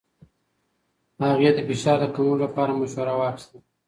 هغې د فشار د کمولو لپاره مشوره واخیسته.